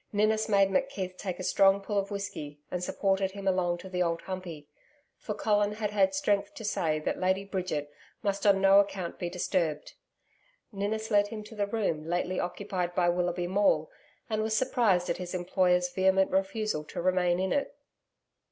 Ninnis made McKeith take a strong pull of whiskey and supported him along to the Old Humpey. For Colin had had strength to say that Lady Bridget must on no account be disturbed. Ninnis led him to the room lately occupied by Willoughby Maule, and was surprised at his employer's vehement refusal to remain in it.